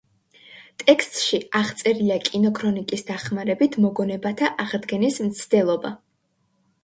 ტექსტში აღწერილია კინოქრონიკის დახმარებით მოგონებათა აღდგენის მცდელობა.